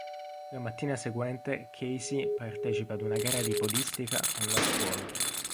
La mattina seguente, Casey partecipa ad una gara di podistica con la scuola.